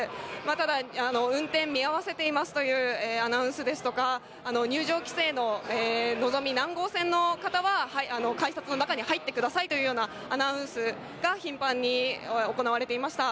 ただ、運転見合わせていますというアナウンスですとか、入場規制ののぞみ何号線の方は改札の中に入ってくださいというようなアナウンスが頻繁に行われていました。